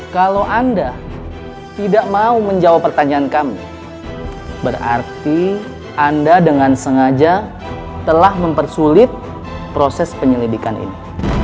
kalau anda tidak mau menjawab pertanyaan kami berarti anda dengan sengaja telah mempersulit proses penyelidikan ini